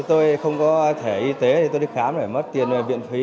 tôi không có thẻ y tế thì tôi đi khám để mất tiền viện phí